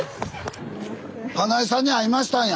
花井さんに会いましたんや。